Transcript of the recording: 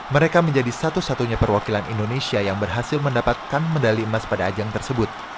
mereka menjadi satu satunya perwakilan indonesia yang berhasil mendapatkan medali emas pada ajang tersebut